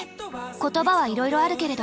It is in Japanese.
言葉はいろいろあるけれど。